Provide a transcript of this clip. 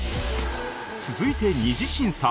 続いて２次審査